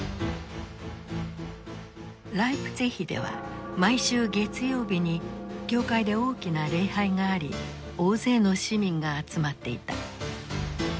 ライプツィヒでは毎週月曜日に教会で大きな礼拝があり大勢の市民が集まっていた。